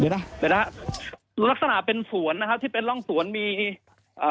เดี๋ยวนะเดี๋ยวนะลักษณะเป็นสวนนะครับที่เป็นร่องสวนมีอ่า